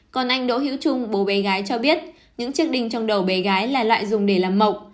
còn anh đỗ hữu trung bố bé gái cho biết những chiếc đinh trong đầu bé gái là lại dùng để làm mộc